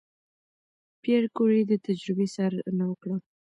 پېیر کوري د تجربې څارنه وکړه.